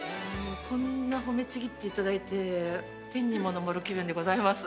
こんな褒めちぎっていただいて天にも昇る気分でございます。